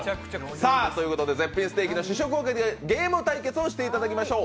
絶品ステーキの試食をかけてゲーム対決をしていただきましょう。